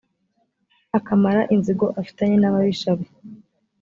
akamara inzigo afitanye n’ababisha be.